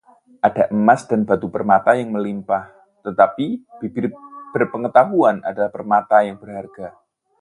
Ada emas dan batu permata yang melimpah, tetapi bibir berpengetahuan adalah permata yang berharga.